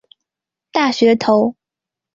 大学头。